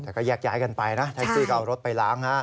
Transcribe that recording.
แต่ก็แยกย้ายกันไปนะแท็กซี่ก็เอารถไปล้าง